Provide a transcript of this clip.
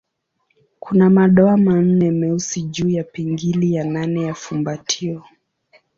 Kuna madoa manne meusi juu ya pingili ya nane ya fumbatio.